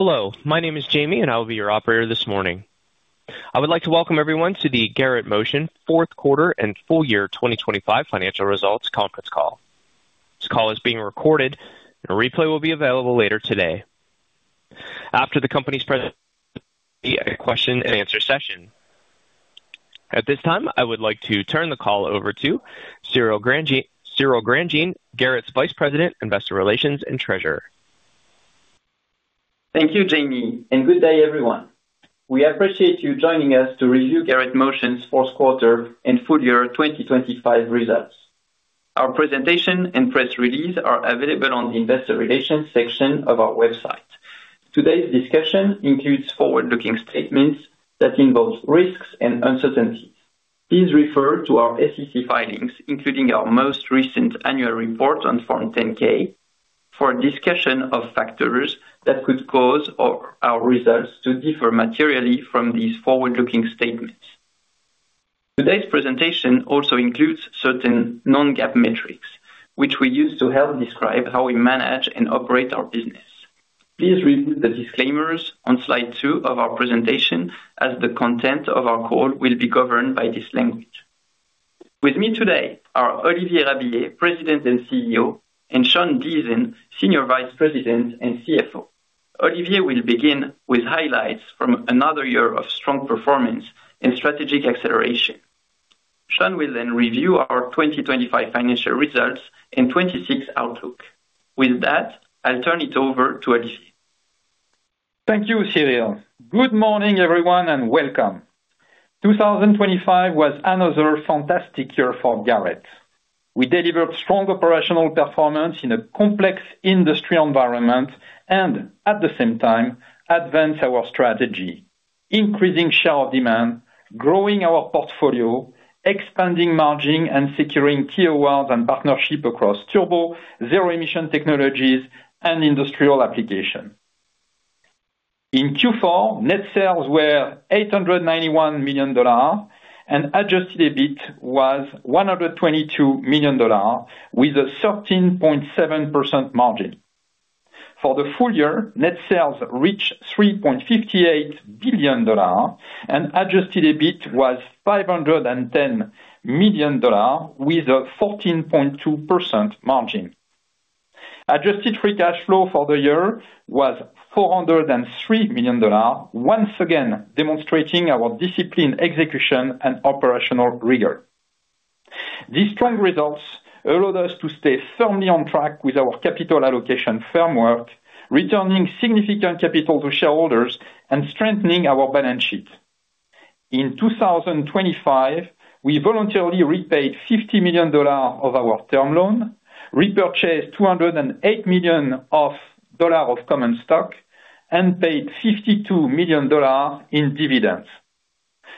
Hello, my name is Jamie, and I will be your operator this morning. I would like to welcome everyone to the Garrett Motion fourth quarter and full year 2025 financial results conference call. This call is being recorded, and a replay will be available later today. After the company's presentation, a question and answer session. At this time, I would like to turn the call over to Cyril Grandjean, Garrett's Vice President, Investor Relations and Treasurer. Thank you, Jamie, and good day, everyone. We appreciate you joining us to review Garrett Motion's fourth quarter and full year 2025 results. Our presentation and press release are available on the investor relations section of our website. Today's discussion includes forward-looking statements that involve risks and uncertainties. Please refer to our SEC filings, including our most recent annual report on Form 10-K, for a discussion of factors that could cause our results to differ materially from these forward-looking statements. Today's presentation also includes certain non-GAAP metrics, which we use to help describe how we manage and operate our business. Please read the disclaimers on slide 2 of our presentation, as the content of our call will be governed by this language. With me today are Olivier Rabiller, President and CEO, and Sean Deason, Senior Vice President and CFO. Olivier will begin with highlights from another year of strong performance and strategic acceleration. Sean will then review our 2025 financial results and 2026 outlook. With that, I'll turn it over to Olivier. Thank you, Cyril. Good morning, everyone, and welcome. 2025 was another fantastic year for Garrett. We delivered strong operational performance in a complex industry environment and, at the same time, advanced our strategy, increasing share of demand, growing our portfolio, expanding margin, and securing tier ones and partnership across turbo, zero-emission technologies, and industrial application. In Q4, net sales were $891 million, and adjusted EBIT was $122 million, with a 13.7% margin. For the full year, net sales reached $3.58 billion, and adjusted EBIT was $510 million, with a 14.2% margin. Adjusted free cash flow for the year was $403 million, once again, demonstrating our disciplined execution and operational rigor. These strong results allowed us to stay firmly on track with our capital allocation framework, returning significant capital to shareholders and strengthening our balance sheet. In 2025, we voluntarily repaid $50 million of our term loan, repurchased $208 million of common stock, and paid $52 million in dividends.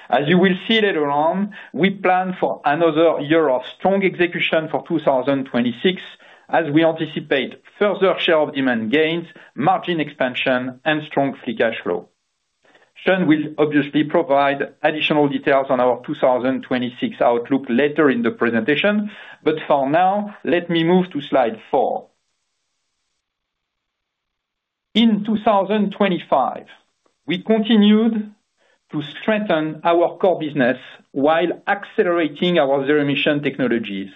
As you will see later on, we plan for another year of strong execution for 2026, as we anticipate further share of demand gains, margin expansion, and strong free cash flow. Sean will obviously provide additional details on our 2026 outlook later in the presentation, but for now, let me move to slide 4. In 2025, we continued to strengthen our core business while accelerating our zero-emission technologies.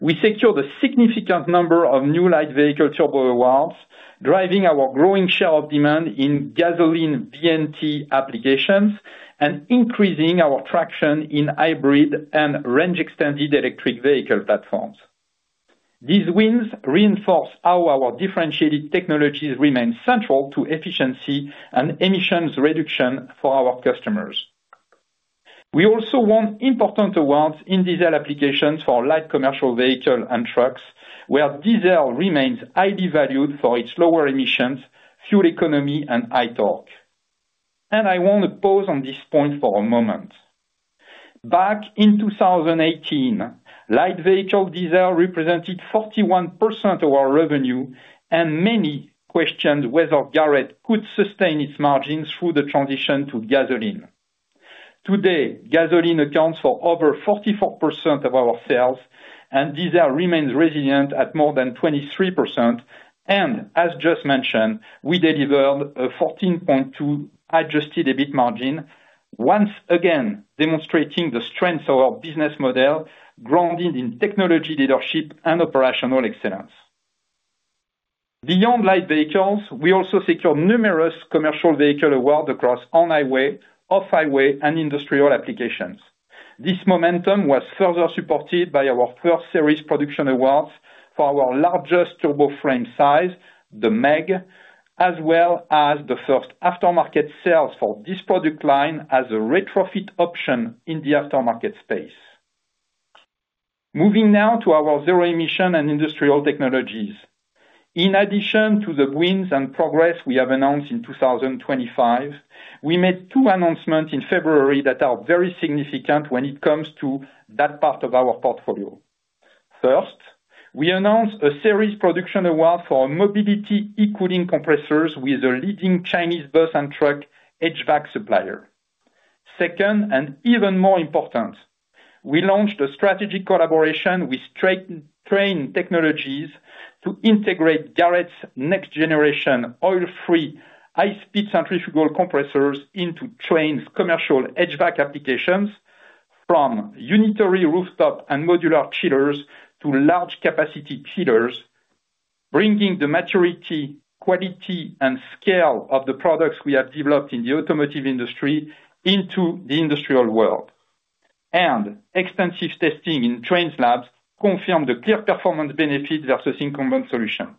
We secured a significant number of new light vehicle turbo awards, driving our growing share of demand in gasoline VNT applications, and increasing our traction in hybrid and range extended electric vehicle platforms. These wins reinforce how our differentiated technologies remain central to efficiency and emissions reduction for our customers. We also won important awards in diesel applications for light commercial vehicle and trucks, where diesel remains highly valued for its lower emissions, fuel economy, and high torque. I want to pause on this point for a moment. Back in 2018, light vehicle diesel represented 41% of our revenue, and many questioned whether Garrett could sustain its margins through the transition to gasoline. Today, gasoline accounts for over 44% of our sales, and diesel remains resilient at more than 23%, and as just mentioned, we delivered a 14.2% Adjusted EBIT margin, once again, demonstrating the strength of our business model, grounded in technology leadership and operational excellence. Beyond light vehicles, we also secured numerous commercial vehicle awards across on-highway, off-highway, and industrial applications. This momentum was further supported by our first series production awards for our largest turbo frame size, the MAG, as well as the first aftermarket sales for this product line as a retrofit option in the aftermarket space. Moving now to our zero-emission and industrial technologies. In addition to the wins and progress we have announced in 2025, we made two announcements in February that are very significant when it comes to that part of our portfolio. First, we announced a series production award for mobility e-cooling compressors with a leading Chinese bus and truck HVAC supplier. Second, and even more important, we launched a strategic collaboration with Trane Technologies to integrate Garrett's next generation oil-free, high-speed centrifugal compressors into Trane's commercial HVAC applications, from unitary rooftop and modular chillers to large capacity chillers, bringing the maturity, quality, and scale of the products we have developed in the automotive industry into the industrial world. And extensive testing in Trane's labs confirmed the clear performance benefit versus incumbent solution.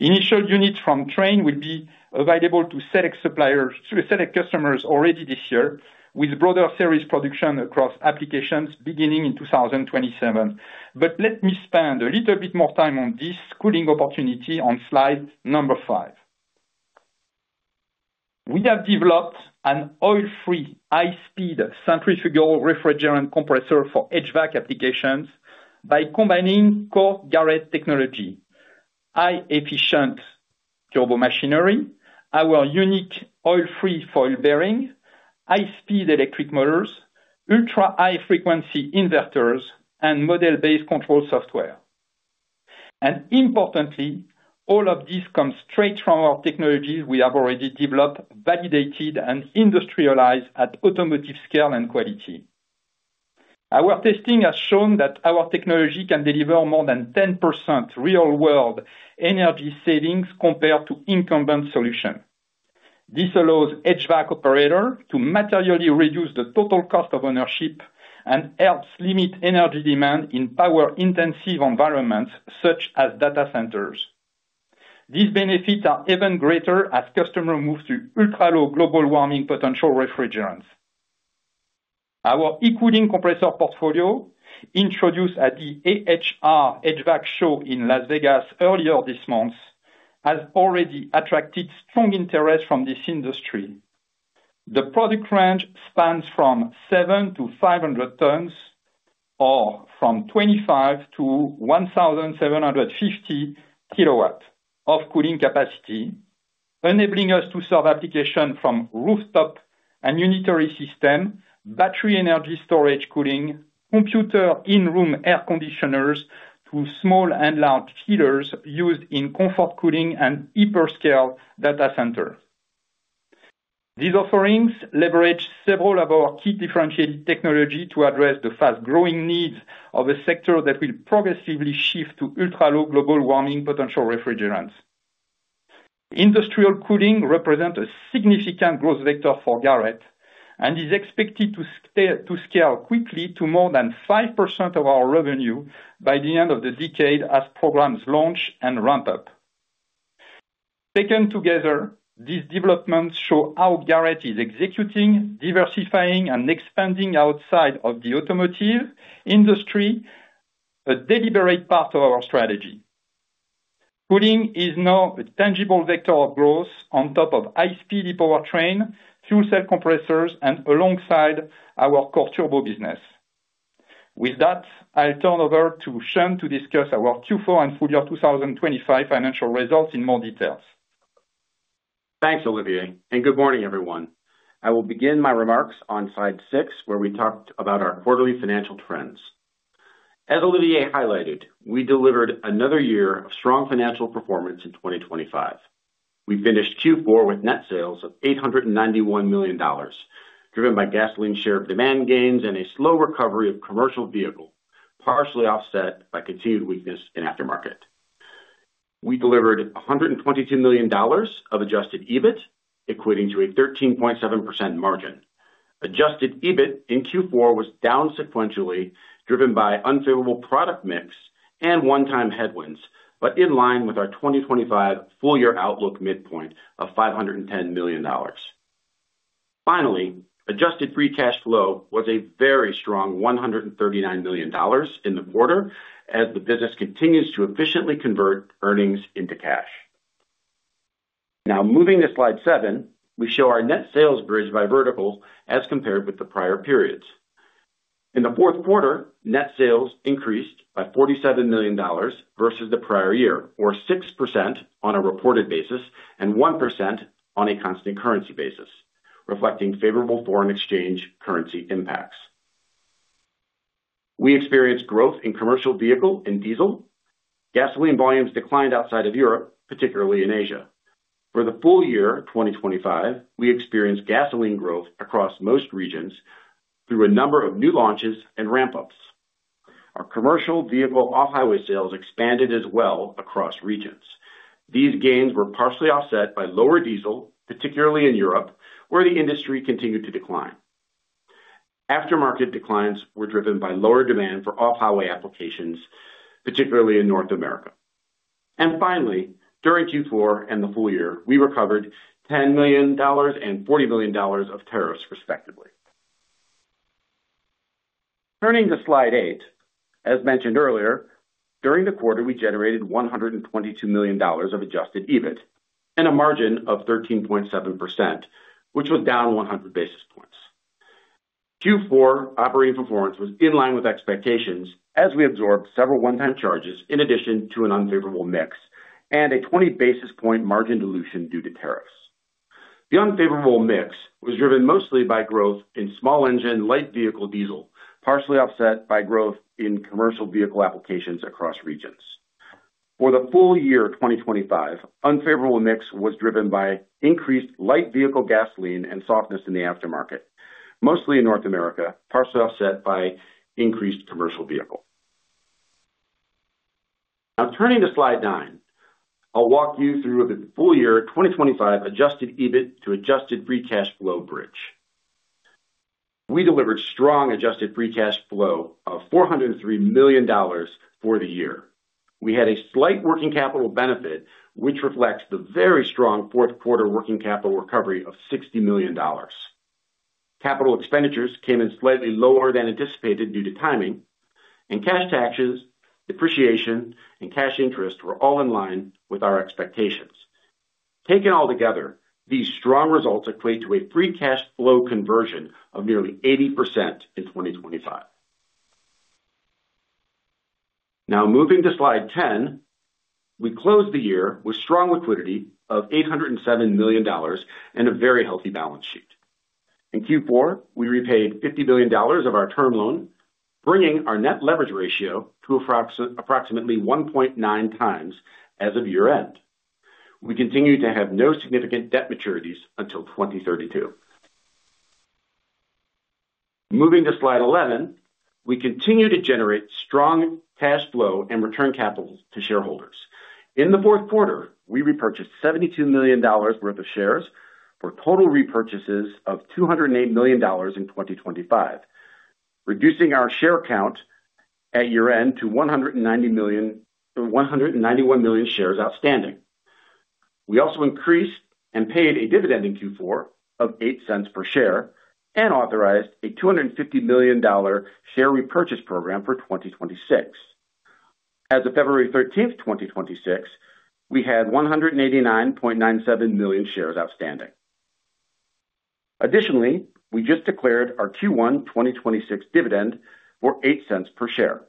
Initial units from Trane will be available to select suppliers, to select customers already this year, with broader series production across applications beginning in 2027. But let me spend a little bit more time on this cooling opportunity on slide number 5. We have developed an oil-free, high-speed centrifugal refrigerant compressor for HVAC applications by combining core Garrett technology, high efficient turbomachinery, our unique oil-free foil bearings, high-speed electric motors, ultra-high frequency inverters, and model-based control software. And importantly, all of this comes straight from our technologies we have already developed, validated, and industrialized at automotive scale and quality. Our testing has shown that our technology can deliver more than 10% real-world energy savings compared to incumbent solution. This allows HVAC operator to materially reduce the total cost of ownership and helps limit energy demand in power-intensive environments, such as data centers. These benefits are even greater as customer moves to ultra-low global warming potential refrigerants. Our e-cooling compressor portfolio, introduced at the AHR HVAC show in Las Vegas earlier this month, has already attracted strong interest from this industry. The product range spans from 7-500 tons, or from 25-1,750 kW of cooling capacity, enabling us to serve applications from rooftop and unitary systems, battery energy storage cooling, computer in-room air conditioners, to small and large chillers used in comfort cooling and hyperscale data center. These offerings leverage several of our key differentiated technologies to address the fast-growing needs of a sector that will progressively shift to ultra-low global warming potential refrigerants. Industrial cooling represents a significant growth vector for Garrett, and is expected to scale quickly to more than 5% of our revenue by the end of the decade as programs launch and ramp up. Taken together, these developments show how Garrett is executing, diversifying, and expanding outside of the automotive industry, a deliberate part of our strategy. Cooling is now a tangible vector of growth on top of high-speed e-powertrain, fuel cell compressors, and alongside our core turbo business. With that, I'll turn over to Sean to discuss our Q4 and full year 2025 financial results in more details. Thanks, Olivier, and good morning, everyone. I will begin my remarks on slide 6, where we talked about our quarterly financial trends. As Olivier highlighted, we delivered another year of strong financial performance in 2025. We finished Q4 with net sales of $891 million, driven by gasoline share demand gains and a slow recovery of commercial vehicle, partially offset by continued weakness in aftermarket. We delivered $122 million of adjusted EBIT, equating to a 13.7% margin. Adjusted EBIT in Q4 was down sequentially, driven by unfavorable product mix and one-time headwinds, but in line with our 2025 full year outlook midpoint of $510 million. Finally, adjusted free cash flow was a very strong $139 million in the quarter, as the business continues to efficiently convert earnings into cash. Now, moving to slide 7, we show our net sales bridge by vertical as compared with the prior periods. In the fourth quarter, net sales increased by $47 million versus the prior year, or 6% on a reported basis and 1% on a constant currency basis, reflecting favorable foreign exchange currency impacts. We experienced growth in commercial vehicle and diesel. Gasoline volumes declined outside of Europe, particularly in Asia. For the full year 2025, we experienced gasoline growth across most regions through a number of new launches and ramp-ups. Our commercial vehicle off-highway sales expanded as well across regions. These gains were partially offset by lower diesel, particularly in Europe, where the industry continued to decline. Aftermarket declines were driven by lower demand for off-highway applications, particularly in North America. And finally, during Q4 and the full year, we recovered $10 million and $40 million of tariffs, respectively. Turning to slide 8, as mentioned earlier, during the quarter, we generated $122 million of Adjusted EBIT and a margin of 13.7%, which was down 100 basis points. Q4 operating performance was in line with expectations as we absorbed several one-time charges in addition to an unfavorable mix and a 20 basis point margin dilution due to tariffs. The unfavorable mix was driven mostly by growth in small engine, light vehicle diesel, partially offset by growth in commercial vehicle applications across regions. For the full year 2025, unfavorable mix was driven by increased light vehicle gasoline and softness in the aftermarket, mostly in North America, partially offset by increased commercial vehicle. Now turning to slide 9, I'll walk you through the full year 2025 adjusted EBIT to adjusted free cash flow bridge. We delivered strong adjusted free cash flow of $403 million for the year. We had a slight working capital benefit, which reflects the very strong fourth quarter working capital recovery of $60 million. Capital expenditures came in slightly lower than anticipated due to timing, and cash taxes, depreciation, and cash interest were all in line with our expectations. Taken all together, these strong results equate to a free cash flow conversion of nearly 80% in 2025. Now moving to slide 10. We closed the year with strong liquidity of $807 million and a very healthy balance sheet. In Q4, we repaid $50 billion of our term loan, bringing our net leverage ratio to approximately 1.9 times as of year-end. We continue to have no significant debt maturities until 2032. Moving to slide 11. We continue to generate strong cash flow and return capital to shareholders. In the fourth quarter, we repurchased $72 million worth of shares for total repurchases of $208 million in 2025, reducing our share count at year-end to 191 million shares outstanding. We also increased and paid a dividend in Q4 of $0.08 per share and authorized a $250 million share repurchase program for 2026. As of February 13, 2026, we had 189.97 million shares outstanding. Additionally, we just declared our Q1 2026 dividend for $0.08 per share.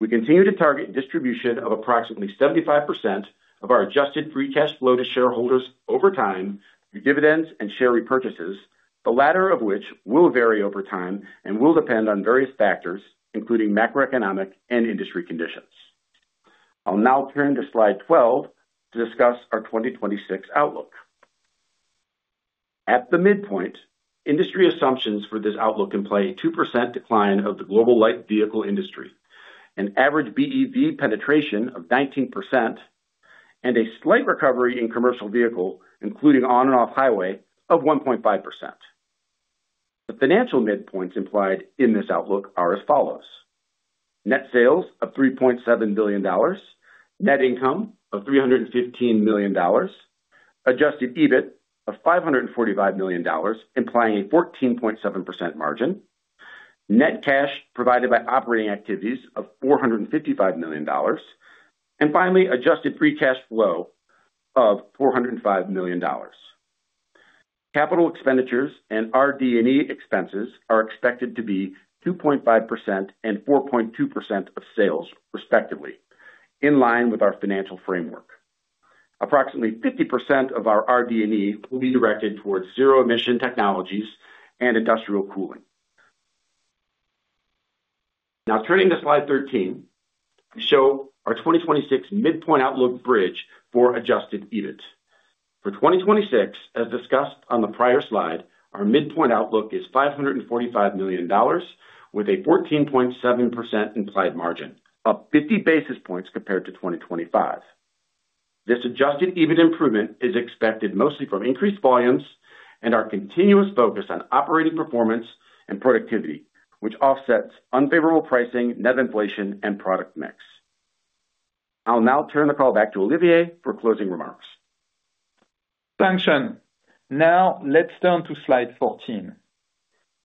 We continue to target distribution of approximately 75% of our adjusted free cash flow to shareholders over time through dividends and share repurchases, the latter of which will vary over time and will depend on various factors, including macroeconomic and industry conditions. I'll now turn to slide 12 to discuss our 2026 outlook. At the midpoint, industry assumptions for this outlook imply a 2% decline of the global light vehicle industry, an average BEV penetration of 19%, and a slight recovery in commercial vehicle, including on and off highway of 1.5%. The financial midpoints implied in this outlook are as follows: Net sales of $3.7 billion, net income of $315 million, Adjusted EBIT of $545 million, implying a 14.7% margin, net cash provided by operating activities of $455 million, and finally, Adjusted Free Cash Flow of $405 million. Capital expenditures and RD&E expenses are expected to be 2.5% and 4.2% of sales, respectively, in line with our financial framework. Approximately 50% of our RD&E will be directed towards zero-emission technologies and industrial cooling. Now, turning to slide 13, we show our 2026 midpoint outlook bridge for Adjusted EBIT. For 2026, as discussed on the prior slide, our midpoint outlook is $545 million, with a 14.7% implied margin, up 50 basis points compared to 2025. This Adjusted EBIT improvement is expected mostly from increased volumes and our continuous focus on operating performance and productivity, which offsets unfavorable pricing, net inflation and product mix. I'll now turn the call back to Olivier for closing remarks. Thanks, Sean. Now let's turn to slide 14.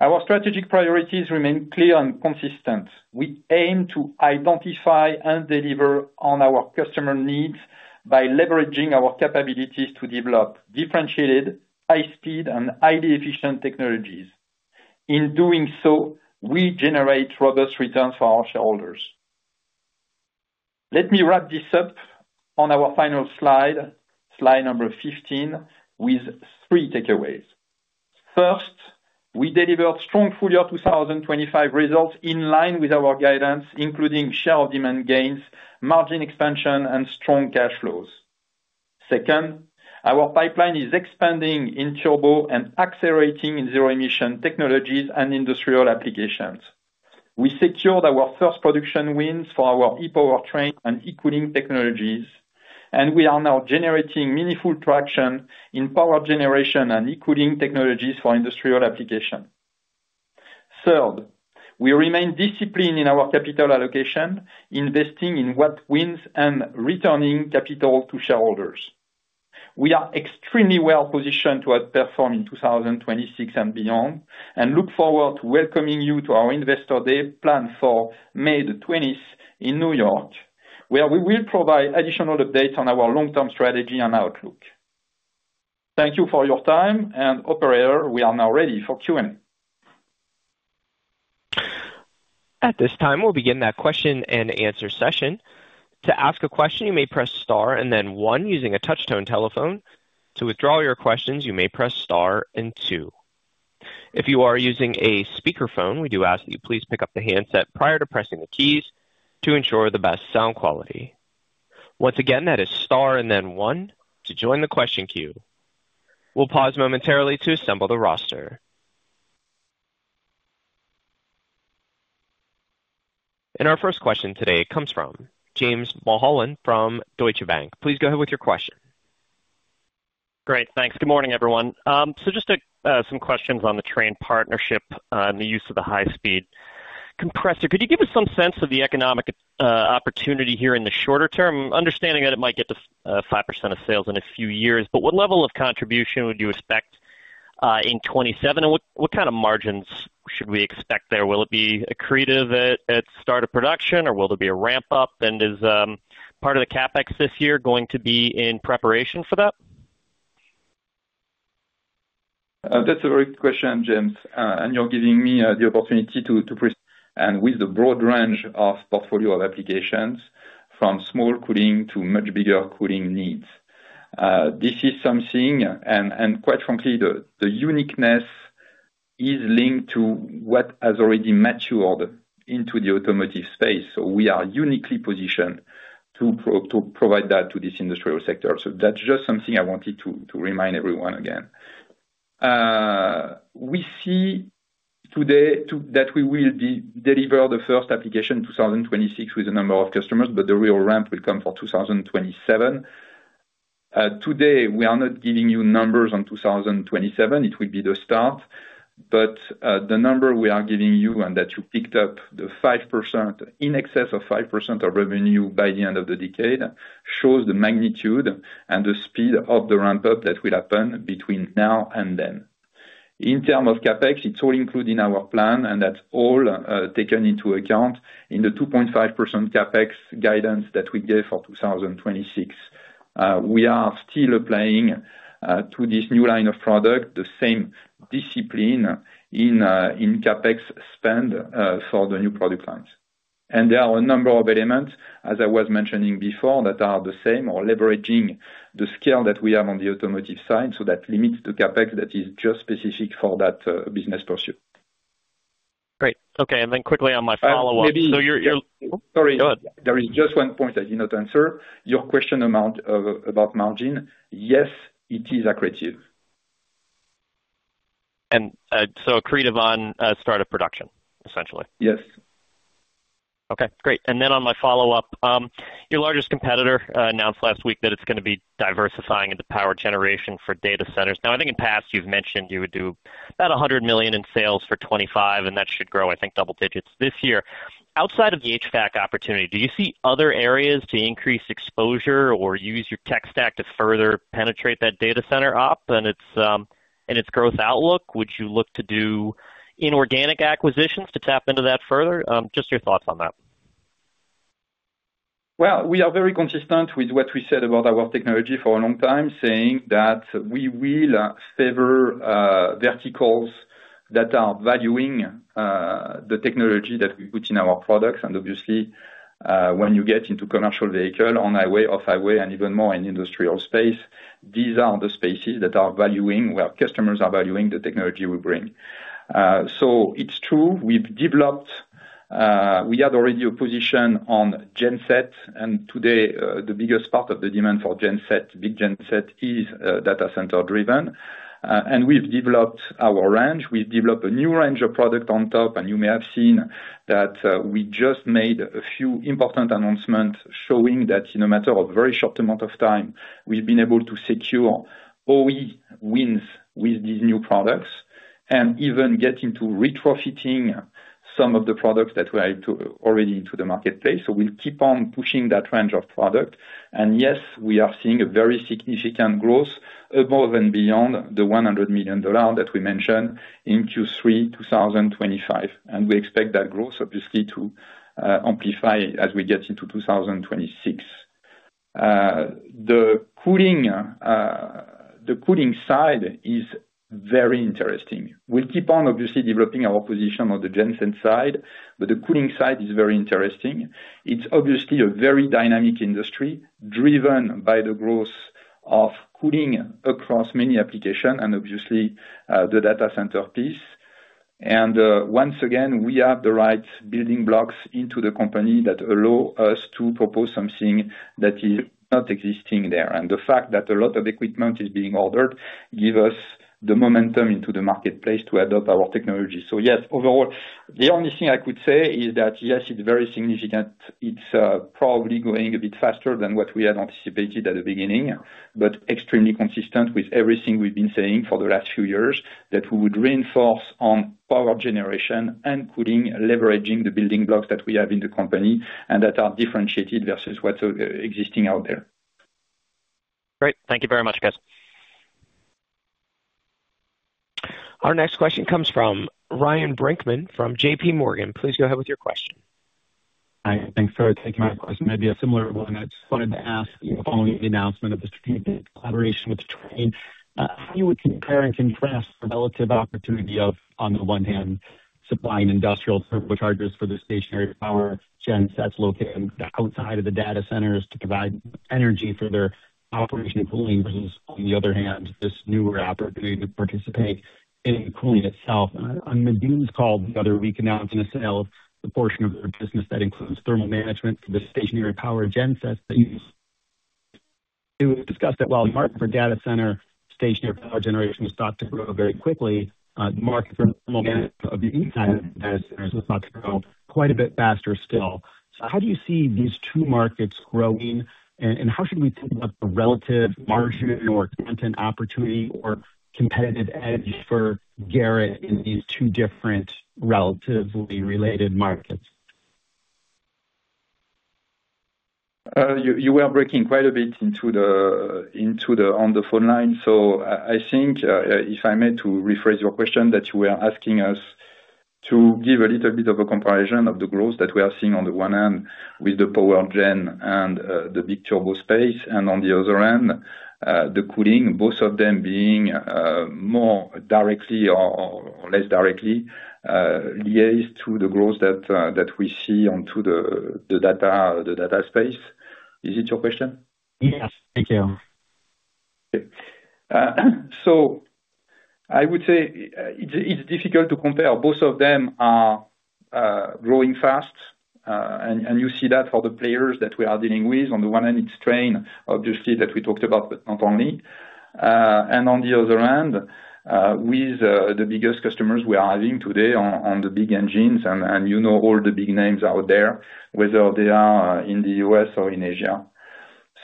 Our strategic priorities remain clear and consistent. We aim to identify and deliver on our customer needs by leveraging our capabilities to develop differentiated, high speed, and highly efficient technologies. In doing so, we generate robust returns for our shareholders. Let me wrap this up on our final slide, slide number 15, with three takeaways. First, we delivered strong full year 2025 results in line with our guidance, including share demand gains, margin expansion, and strong cash flows. Second, our pipeline is expanding in turbo and accelerating in zero emission technologies and industrial applications. We secured our first production wins for our e-powertrain and e-cooling technologies, and we are now generating meaningful traction in power generation and e-cooling technologies for industrial application. Third, we remain disciplined in our capital allocation, investing in what wins and returning capital to shareholders. We are extremely well positioned to outperform in 2026 and beyond, and look forward to welcoming you to our Investor Day, planned for May 20 in New York, where we will provide additional updates on our long-term strategy and outlook. Thank you for your time, and operator, we are now ready for Q&A. At this time, we'll begin that question and answer session. To ask a question, you may press star and then one using a touchtone telephone. To withdraw your questions, you may press star and two. If you are using a speakerphone, we do ask that you please pick up the handset prior to pressing the keys to ensure the best sound quality. Once again, that is star and then one to join the question queue. We'll pause momentarily to assemble the roster. Our first question today comes from James Mulholland from Deutsche Bank. Please go ahead with your question. Great, thanks. Good morning, everyone. So just some questions on the Trane partnership and the use of the high speed compressor. Could you give us some sense of the economic opportunity here in the shorter term? Understanding that it might get to 5% of sales in a few years, but what level of contribution would you expect in 2027? And what kind of margins should we expect there? Will it be accretive at start of production, or will there be a ramp up? And is part of the CapEx this year going to be in preparation for that? That's a great question, James, and you're giving me the opportunity, and with the broad range of portfolio of applications, from small cooling to much bigger cooling needs. This is something, and quite frankly, the uniqueness is linked to what has already matured into the automotive space. So we are uniquely positioned to provide that to this industrial sector. So that's just something I wanted to remind everyone again. We see today that we will deliver the first application in 2026 with a number of customers, but the real ramp will come for 2027. Today, we are not giving you numbers on 2027. It will be the start. But the number we are giving you, and that you picked up, the 5%, in excess of 5% of revenue by the end of the decade, shows the magnitude and the speed of the ramp up that will happen between now and then. In terms of CapEx, it's all included in our plan, and that's all taken into account in the 2.5% CapEx guidance that we gave for 2026. We are still applying to this new line of product the same discipline in CapEx spend for the new product lines. And there are a number of elements, as I was mentioning before, that are the same or leveraging the scale that we have on the automotive side, so that limits the CapEx that is just specific for that business pursuit. Great. Okay, and then quickly on my follow-up- Uh, maybe- So you're Sorry. Go ahead. There is just one point I did not answer. Your question amount, about margin. Yes, it is accretive. And so accretive on start of production, essentially? Yes. Okay, great. And then on my follow-up, your largest competitor announced last week that it's gonna be diversifying into power generation for data centers. Now, I think in past you've mentioned you would do about $100 million in sales for 2025, and that should grow, I think, double digits this year. Outside of the HVAC opportunity, do you see other areas to increase exposure or use your tech stack to further penetrate that data center op and its, and its growth outlook? Would you look to do inorganic acquisitions to tap into that further? Just your thoughts on that. Well, we are very consistent with what we said about our technology for a long time, saying that we will favor verticals that are valuing the technology that we put in our products. And obviously, when you get into commercial vehicle, on highway, off highway, and even more in industrial space, these are the spaces that are valuing, where customers are valuing the technology we bring. So it's true, we've developed. We had already a position on Genset, and today, the biggest part of the demand for Genset, big Genset, is data center driven. And we've developed our range. We've developed a new range of product on top, and you may have seen that, we just made a few important announcements showing that in a matter of a very short amount of time, we've been able to secure OE wins with these new products, and even get into retrofitting some of the products that were already into the marketplace. So we'll keep on pushing that range of product. Yes, we are seeing a very significant growth above and beyond the $100 million that we mentioned in Q3 2025, and we expect that growth obviously to amplify as we get into 2026. The cooling side is very interesting. We'll keep on obviously developing our position on the Genset side, but the cooling side is very interesting. It's obviously a very dynamic industry, driven by the growth of cooling across many applications and obviously, the data center piece. Once again, we have the right building blocks in the company that allow us to propose something that is not existing there. The fact that a lot of equipment is being ordered gives us the momentum in the marketplace to adopt our technology. So yes, overall, the only thing I could say is that, yes, it's very significant. It's probably growing a bit faster than what we had anticipated at the beginning, but extremely consistent with everything we've been saying for the last few years, that we would reinforce on power generation and cooling, leveraging the building blocks that we have in the company, and that are differentiated versus what are existing out there. Great. Thank you very much, guys. Our next question comes from Ryan Brinkman from JP Morgan. Please go ahead with your question. Hi, thanks for taking my question. It may be a similar one. I just wanted to ask you, following the announcement of the strategic collaboration with Trane, how you would compare and contrast the relative opportunity of, on the one hand, supplying industrial turbochargers for the stationary power gen sets located outside of the data centers to provide energy for their operation cooling, versus on the other hand, this newer opportunity to participate in the cooling itself. On Modine's call the other week, announcing the sale of the portion of their business that includes thermal management for the stationary power gen sets, it was discussed that while the market for data center stationary power generation was thought to grow very quickly, the market for cooling inside the data centers was thought to grow quite a bit faster still. So how do you see these two markets growing, and how should we think about the relative margin or content opportunity or competitive edge for Garrett in these two different, relatively related markets? You were breaking quite a bit into the on the phone line. So I think, if I may, to rephrase your question, that you were asking us to give a little bit of a comparison of the growth that we are seeing on the one hand, with the power gen and the big turbo space, and on the other hand, the cooling, both of them being more directly or less directly liaised to the growth that we see onto the data space. Is it your question? Yes. Thank you. Okay. So I would say, it's difficult to compare. Both of them are growing fast, and you see that for the players that we are dealing with. On the one hand, it's Trane, obviously, that we talked about, but not only. And on the other hand, with the biggest customers we are having today on the big engines, and you know all the big names out there, whether they are in the U.S. or in Asia.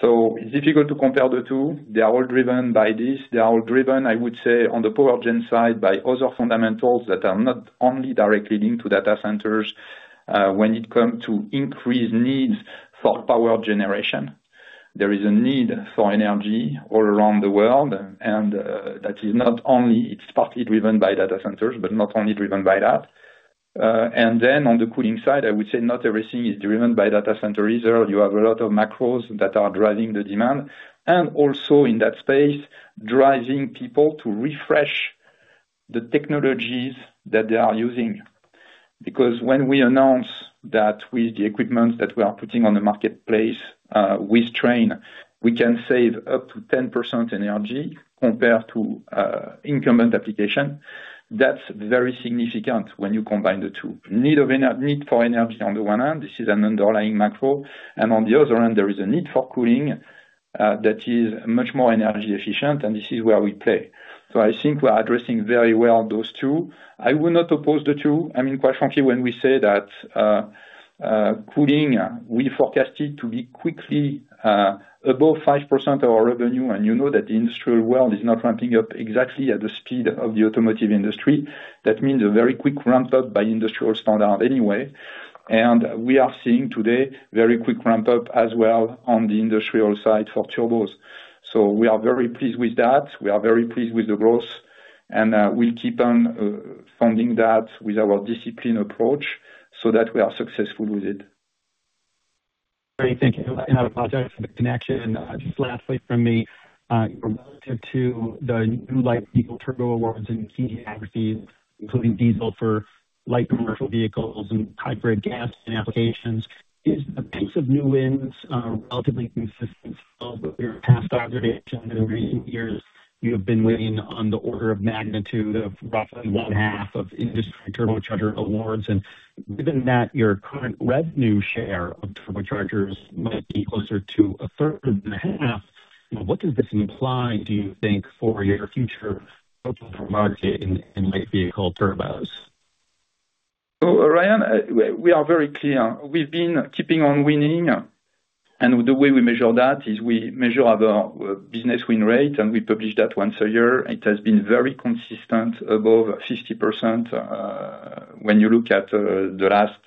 So it's difficult to compare the two. They are all driven by this, they are all driven, I would say, on the power gen side, by other fundamentals that are not only directly linked to data centers, when it comes to increased needs for power generation. There is a need for energy all around the world, and that is not only... It's partly driven by data centers, but not only driven by that. And then on the cooling side, I would say not everything is driven by data center either. You have a lot of macros that are driving the demand, and also in that space, driving people to refresh the technologies that they are using. Because when we announce that with the equipment that we are putting on the marketplace, with Trane, we can save up to 10% in energy compared to incumbent application. That's very significant when you combine the two. Need for energy on the one hand, this is an underlying macro, and on the other hand, there is a need for cooling that is much more energy efficient, and this is where we play. So I think we're addressing very well those two. I will not oppose the two. I mean, quite frankly, when we say that, cooling, we forecast it to be quickly above 5% of our revenue, and you know that the industrial world is not ramping up exactly at the speed of the automotive industry. That means a very quick ramp up by industrial standards anyway. And we are seeing today very quick ramp up as well on the industrial side for turbos. So we are very pleased with that. We are very pleased with the growth, and we'll keep on funding that with our discipline approach so that we are successful with it. Great, thank you, and I apologize for the connection. Just lastly from me, relative to the new light vehicle turbo awards in key geographies, including diesel for light commercial vehicles and hybrid gas applications, is the pace of new wins, relatively consistent with your past observations in recent years? You have been winning on the order of magnitude of roughly one half of industry turbocharger awards, and given that your current revenue share of turbochargers might be closer to a third than a half, what does this imply, do you think, for your future total market in light vehicle turbos? So Ryan, we are very clear. We've been keeping on winning, and the way we measure that is we measure our business win rate, and we publish that once a year. It has been very consistent, above 60%, when you look at the last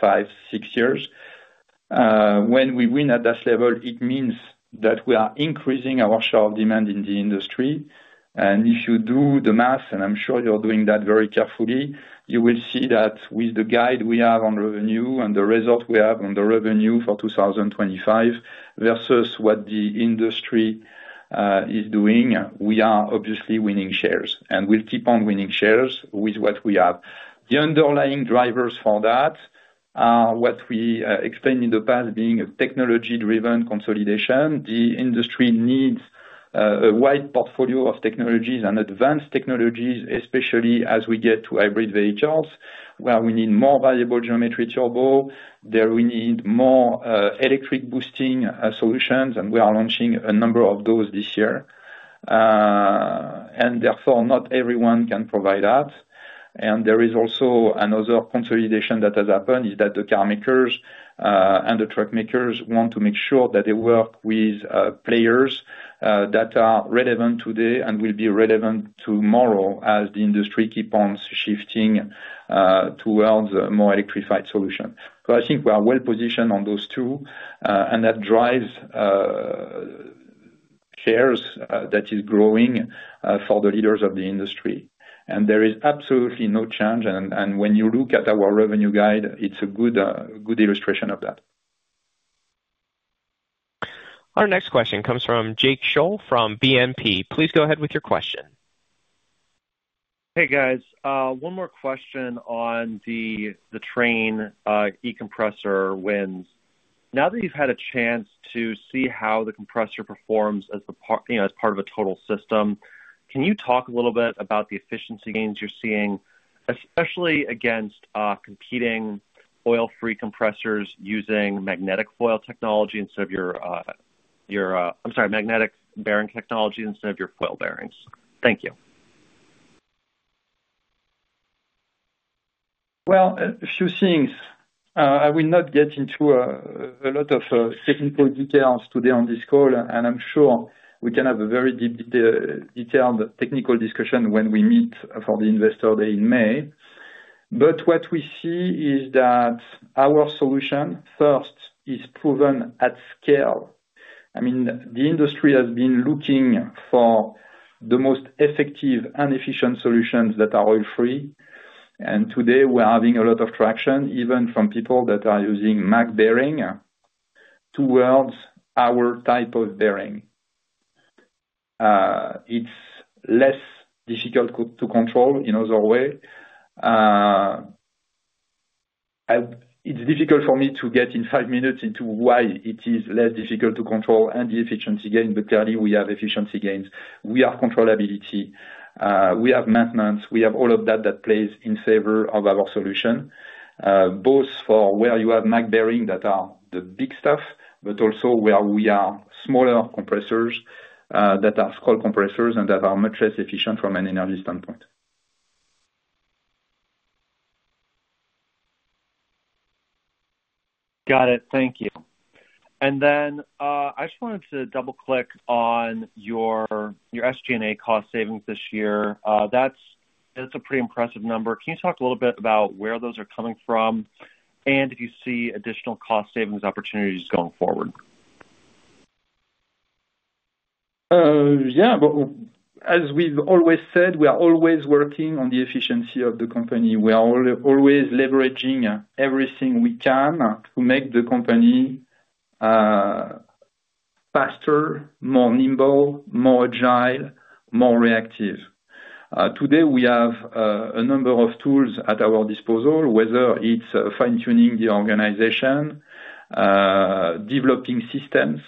five, six years. When we win at that level, it means that we are increasing our share of demand in the industry. And if you do the math, and I'm sure you're doing that very carefully, you will see that with the guide we have on revenue and the results we have on the revenue for 2025, versus what the industry is doing, we are obviously winning shares, and we'll keep on winning shares with what we have. The underlying drivers for that are what we explained in the past, being a technology-driven consolidation. The industry needs a wide portfolio of technologies and advanced technologies, especially as we get to hybrid vehicles, where we need more variable geometry turbo. There we need more electric boosting solutions, and we are launching a number of those this year. And therefore, not everyone can provide that. And there is also another consolidation that has happened, is that the car makers and the truck makers want to make sure that they work with players that are relevant today, and will be relevant tomorrow, as the industry keeps on shifting towards more electrified solution. So I think we are well positioned on those two, and that drives shares that is growing for the leaders of the industry. There is absolutely no change, and when you look at our revenue guide, it's a good, good illustration of that. Our next question comes from Jake Schell, from BNP. Please go ahead with your question. Hey, guys. One more question on the Trane e-compressor wins. Now that you've had a chance to see how the compressor performs as a part, you know, as part of a total system, can you talk a little bit about the efficiency gains you're seeing, especially against competing oil-free compressors using magnetic foil technology instead of your, your, I'm sorry, magnetic bearing technology instead of your foil bearings? Thank you. Well, a few things. I will not get into a lot of technical details today on this call, and I'm sure we can have a very detailed technical discussion when we meet for the Investor Day in May. But what we see is that our solution, first, is proven at scale. I mean, the industry has been looking for the most effective and efficient solutions that are oil-free, and today, we're having a lot of traction, even from people that are using mag bearing towards our type of bearing. It's less difficult to control, in other way. It's difficult for me to get in five minutes into why it is less difficult to control and the efficiency gain, but clearly, we have efficiency gains. We have controllability, we have maintenance, we have all of that that plays in favor of our solution, both for where you have mag bearing that are the big stuff, but also where we are smaller compressors, that are scroll compressors and that are much less efficient from an energy standpoint. Got it. Thank you. And then I just wanted to double-click on your SG&A cost savings this year. That's a pretty impressive number. Can you talk a little bit about where those are coming from, and if you see additional cost savings opportunities going forward? Yeah, but as we've always said, we are always working on the efficiency of the company. We are always leveraging everything we can to make the company, faster, more nimble, more agile, more reactive. Today, we have a number of tools at our disposal, whether it's fine-tuning the organization, developing systems,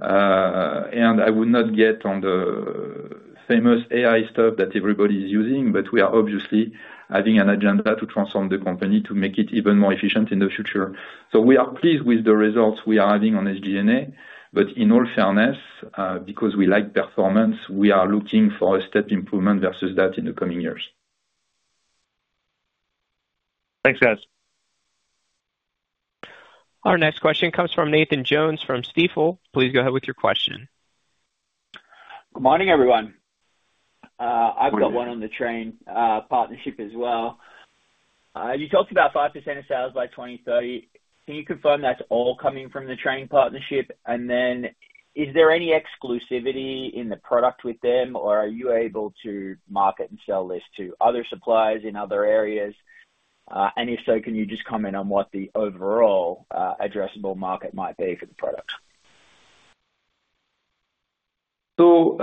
and I would not get on the famous AI stuff that everybody is using, but we are obviously having an agenda to transform the company to make it even more efficient in the future. So we are pleased with the results we are having on SG&A, but in all fairness, because we like performance, we are looking for a step improvement versus that in the coming years. Thanks, guys. Our next question comes from Nathan Jones, from Stifel. Please go ahead with your question. Good morning, everyone. I've got one on the Trane partnership as well. You talked about 5% of sales by 2030. Can you confirm that's all coming from the Trane partnership? And then, is there any exclusivity in the product with them, or are you able to market and sell this to other suppliers in other areas? And if so, can you just comment on what the overall addressable market might be for the product? So,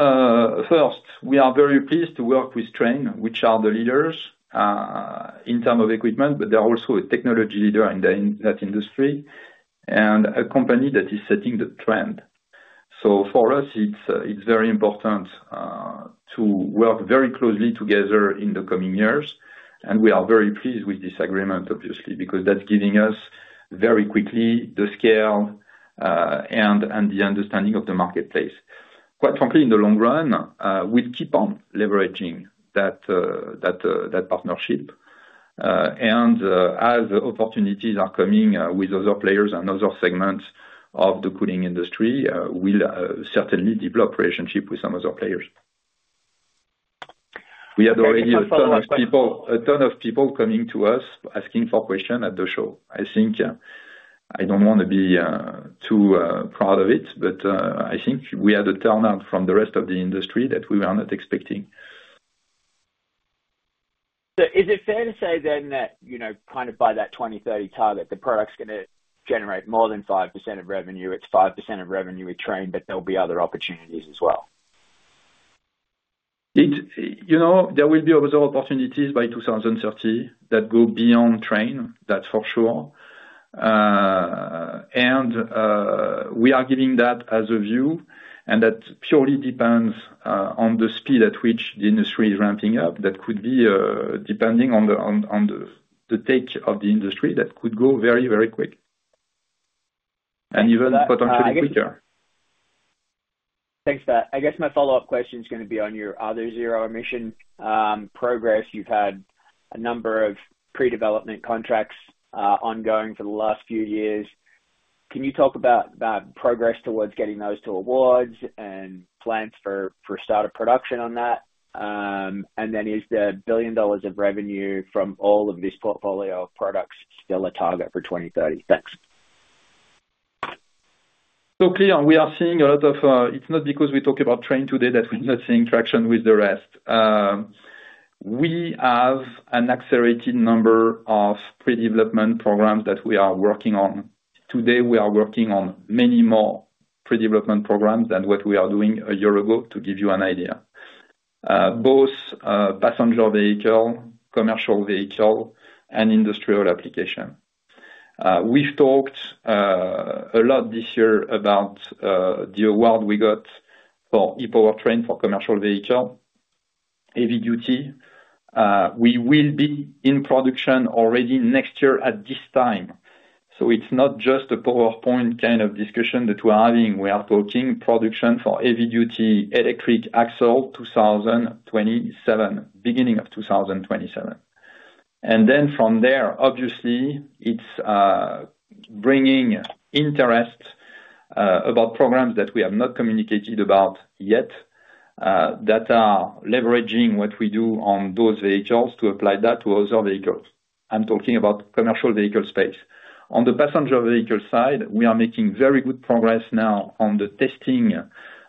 first, we are very pleased to work with Trane, which are the leaders in term of equipment, but they are also a technology leader in the, in that industry, and a company that is setting the trend. So for us, it's very important to work very closely together in the coming years, and we are very pleased with this agreement, obviously, because that's giving us very quickly the scale and the understanding of the marketplace. Quite frankly, in the long run, we keep on leveraging that partnership, and as opportunities are coming with other players and other segments of the cooling industry, we'll certainly develop relationship with some other players. We already have a ton of people coming to us asking for quotation at the show. I think, I don't want to be too proud of it, but I think we had a turnout from the rest of the industry that we were not expecting. So is it fair to say then that, you know, kind of by that 2030 target, the product's gonna generate more than 5% of revenue? It's 5% of revenue with Trane, but there'll be other opportunities as well. You know, there will be other opportunities by 2030 that go beyond Trane, that's for sure. And we are giving that as a view, and that purely depends on the speed at which the industry is ramping up. That could be, depending on the take of the industry, that could go very, very quick. And even potentially quicker. Thanks for that. I guess my follow-up question is gonna be on your other zero-emission progress. You've had a number of pre-development contracts ongoing for the last few years. Can you talk about the progress towards getting those to awards and plans for start of production on that? And then is the $1 billion of revenue from all of this portfolio of products still a target for 2030? Thanks. ... So clear, we are seeing a lot of, it's not because we talk about Trane today, that we're not seeing traction with the rest. We have an accelerated number of pre-development programs that we are working on. Today, we are working on many more pre-development programs than what we are doing a year ago, to give you an idea. Both, passenger vehicle, commercial vehicle, and industrial application. We've talked a lot this year about the award we got for e-powertrain for commercial vehicle, heavy duty. We will be in production already next year at this time. So it's not just a PowerPoint kind of discussion that we're having. We are talking production for heavy duty electric axle 2027, beginning of 2027. And then from there, obviously, it's bringing interest about programs that we have not communicated about yet that are leveraging what we do on those vehicles to apply that to other vehicles. I'm talking about commercial vehicle space. On the passenger vehicle side, we are making very good progress now on the testing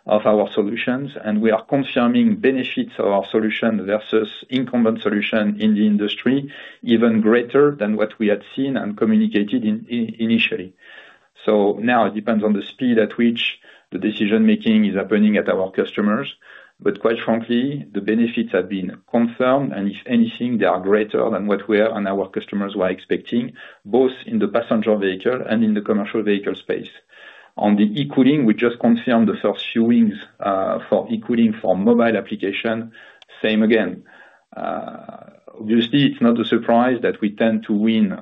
of our solutions, and we are confirming benefits of our solution versus incumbent solution in the industry, even greater than what we had seen and communicated initially. So now it depends on the speed at which the decision-making is happening at our customers. But quite frankly, the benefits have been confirmed, and if anything, they are greater than what we and our customers were expecting, both in the passenger vehicle and in the commercial vehicle space. On the e-cooling, we just confirmed the first few wins for e-cooling for mobile application. Same again. Obviously, it's not a surprise that we tend to win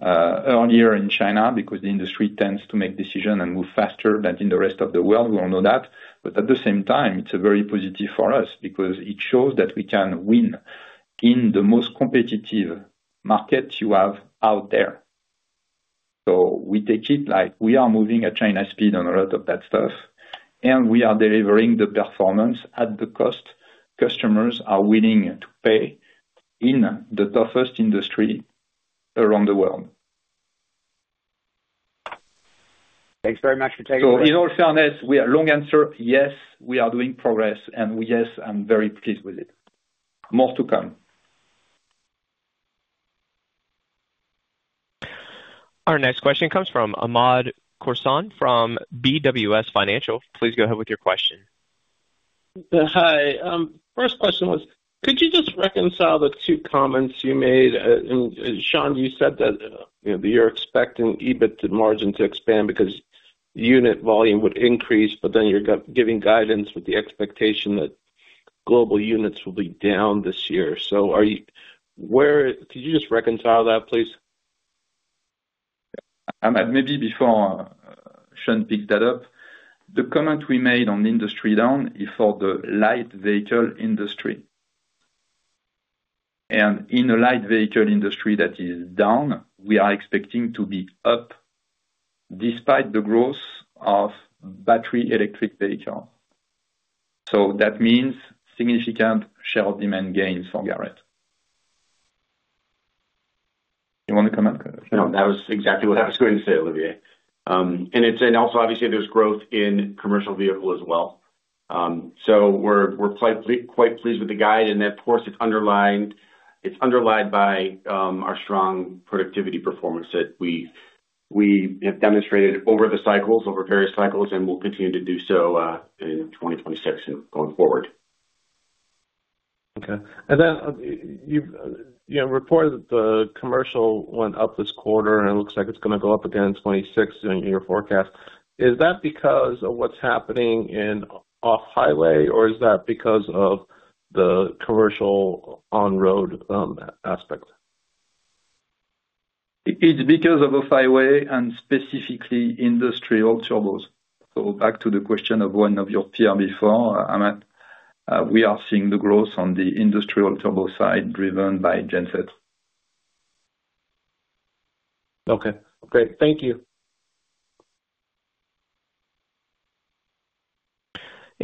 earlier in China, because the industry tends to make decisions and move faster than in the rest of the world. We all know that. But at the same time, it's very positive for us because it shows that we can win in the most competitive markets you have out there. So we take it like we are moving at China speed on a lot of that stuff, and we are delivering the performance at the cost customers are willing to pay in the toughest industry around the world. Thanks very much for taking- In all fairness, we are long answer, yes, we are doing progress, and yes, I'm very pleased with it. More to come. Our next question comes from Hamed Khorsand from BWS Financial. Please go ahead with your question. Hi. First question was, could you just reconcile the two comments you made? And Sean, you said that, you know, you're expecting EBITDA margin to expand because unit volume would increase, but then you're giving guidance with the expectation that global units will be down this year. So, could you just reconcile that, please? Maybe before Sean pick that up, the comment we made on the industry down is for the light vehicle industry. In a light vehicle industry that is down, we are expecting to be up despite the growth of battery electric vehicle. So that means significant share demand gains for Garrett. You want to comment? No, that was exactly what I was going to say, Olivier. It's, and also, obviously, there's growth in commercial vehicle as well. We're quite pleased with the guide, and of course, it's underlined by our strong productivity performance that we have demonstrated over the cycles, over various cycles, and we'll continue to do so in 2026 and going forward. Okay. And then, you've, you know, reported that the commercial went up this quarter, and it looks like it's going to go up again in 2026 in your forecast. Is that because of what's happening in off-highway, or is that because of the commercial on-road aspect? It's because of off-highway and specifically industrial turbos. So back to the question of one of your peer before, Ahmad, we are seeing the growth on the industrial turbo side, driven by genset. Okay, great. Thank you.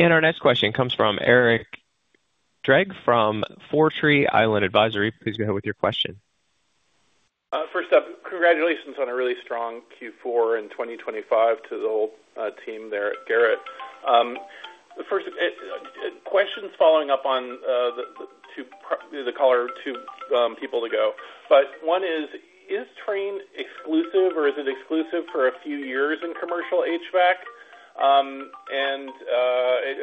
Our next question comes from Eric Greg from Foretree Island Advisory. Please go ahead with your question. First up, congratulations on a really strong Q4 in 2025 to the whole team there at Garrett. The first questions following up on the caller two people ago. One is, is Trane exclusive, or is it exclusive for a few years in commercial HVAC?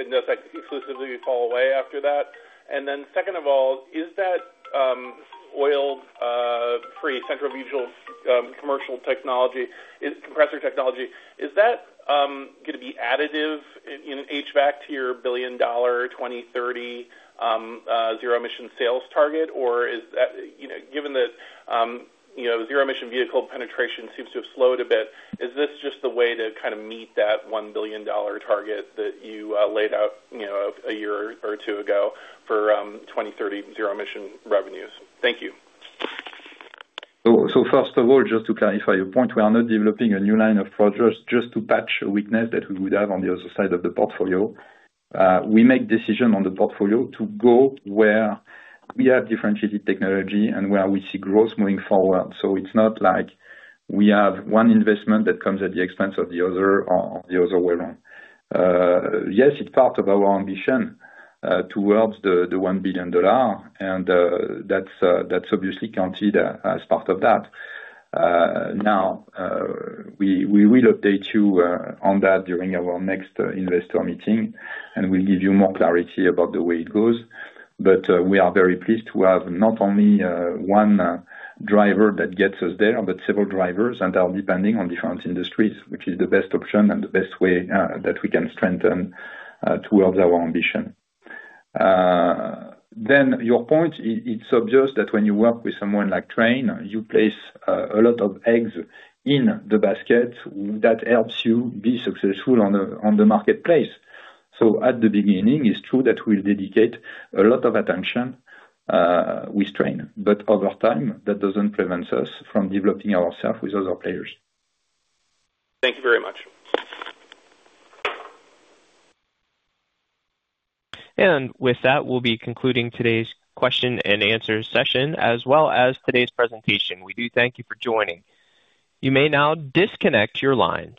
Does that exclusivity fall away after that? Second of all, is that oil-free centrifugal commercial compressor technology going to be additive in HVAC to your billion-dollar 2030 zero-emission sales target? Or is that, you know, given that, you know, zero-emission vehicle penetration seems to have slowed a bit, is this just the way to kind of meet that $1 billion target that you laid out, you know, a year or two ago for 2030 zero-emission revenues? Thank you. So first of all, just to clarify your point, we are not developing a new line of products just to patch a weakness that we would have on the other side of the portfolio. We make decision on the portfolio to go where we have differentiated technology and where we see growth moving forward. So it's not like we have one investment that comes at the expense of the other or the other way around. Yes, it's part of our ambition towards the $1 billion, and that's obviously considered as part of that. Now we will update you on that during our next investor meeting, and we'll give you more clarity about the way it goes. We are very pleased to have not only one driver that gets us there, but several drivers, and are depending on different industries, which is the best option and the best way that we can strengthen towards our ambition. Then your point, it's obvious that when you work with someone like Trane, you place a lot of eggs in the basket. That helps you be successful on the marketplace. So at the beginning, it's true that we'll dedicate a lot of attention with Trane, but over time, that doesn't prevent us from developing ourselves with other players. Thank you very much. With that, we'll be concluding today's question and answer session, as well as today's presentation. We do thank you for joining. You may now disconnect your line.